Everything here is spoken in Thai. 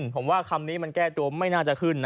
ผมว่าคำนี้มันแก้ตัวไม่น่าจะขึ้นนะ